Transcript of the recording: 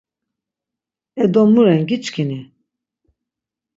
E do mu ren giçkini?